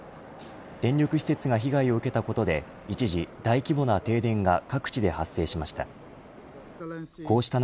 電力施設が被害を受けたことで一時大規模な停電が各地で発生しました。